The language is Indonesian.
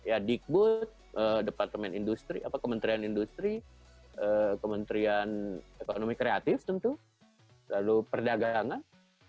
ya dikbud departemen industri kementerian industri kementerian ekonomi kreatif tentu lalu perdagangan